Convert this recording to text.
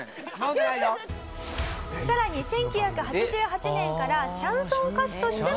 更に１９８８年からシャンソン歌手としても活躍中。